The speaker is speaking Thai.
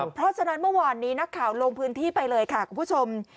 เพราะฉะนั้นเมื่อวานนี้นักข่าวลงพื้นที่ไปเลยค่ะคุณผู้ชม